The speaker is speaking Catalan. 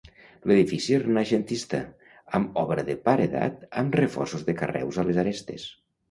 L'edifici és renaixentista, amb obra de paredat amb reforços de carreus a les arestes.